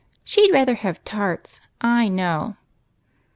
" She 'd rather have tarts, / know."